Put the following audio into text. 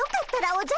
おじゃ。